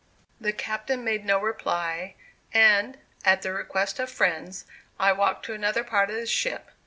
The captain made no reply; and, at the request of friends, I walked to another part of the ship.